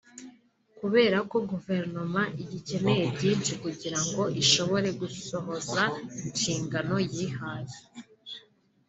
Kubera ko Guverinoma igikeneye byinshi kugira ngo ishobore gusohoza inshingano yihaye